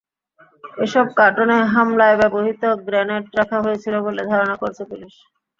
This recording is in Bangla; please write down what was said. এসব কার্টনে হামলায় ব্যবহৃত গ্রেনেড রাখা হয়েছিল বলে ধারণা করছে পুলিশ।